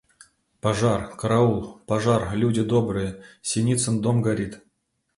Пожар! Караул! Пожар, люди добрые, Синицин дом горит!